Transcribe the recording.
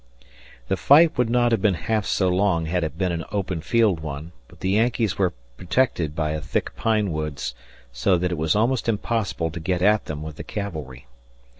The fight would not have been half so long had it been an open field one, but the Yankees were protected by a thick pine woods, so that it was almost impossible to get at them with the cavalry.